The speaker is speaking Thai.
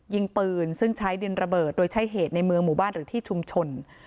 ยิงปืนซึ่งใช้ดินระเบิดโดยใช้เหตุในเมืองหมู่บ้านหรือที่ชุมชน